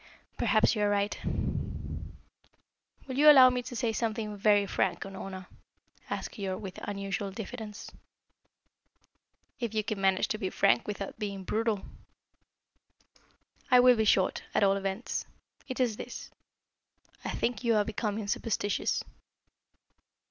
"Perhaps you are right." "Will you allow me to say something very frank, Unorna?" asked Keyork with unusual diffidence. "If you can manage to be frank without being brutal." "I will be short, at all events. It is this. I think you are becoming superstitious."